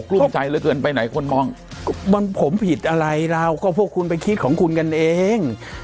ลุ้มใจเหลือเกินไปไหนคนมองมันผมผิดอะไรเราก็พวกคุณไปคิดของคุณกันเอง